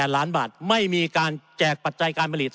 ล้านบาทไม่มีการแจกปัจจัยการผลิต